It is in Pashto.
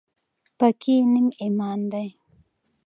پاکي نیم ایمان دی